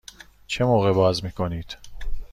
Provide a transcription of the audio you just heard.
چه موقع باز می کنید؟